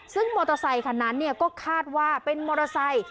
ซึ่งมอเตอร์ไซคันนั้นก็คาดว่าเป็นมอเตอร์ไซค์